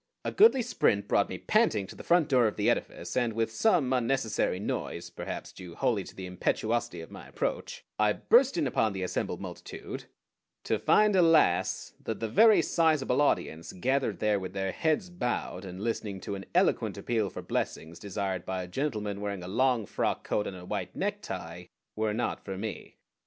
A goodly sprint brought me panting to the front door of the edifice, and with some unnecessary noise, perhaps due wholly to the impetuosity of my approach, I burst in upon the assembled multitude to find, alas! that the very sizable audience gathered there with their heads bowed, and listening to an eloquent appeal for blessings desired by a gentleman wearing a long frock coat and a white necktie, were not for me.